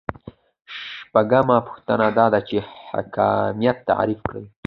شپږمه پوښتنه دا ده چې حاکمیت تعریف کړئ.